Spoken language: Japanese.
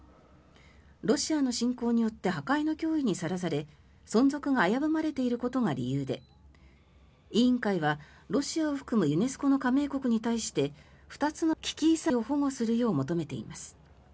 ロシアの侵攻によって破壊の脅威にさらされ存続が危ぶまれていることが理由で委員会はロシアを含むユネスコの加盟国に対して２つの危機遺産を保護するよう求めています。